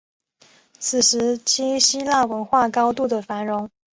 此时期希腊文化高度的繁荣